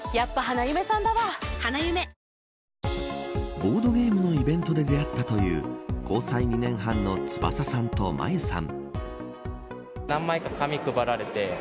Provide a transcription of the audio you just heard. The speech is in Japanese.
ボードゲームのイベントで出会ったという交際２年半の飛翔さんと真優さん。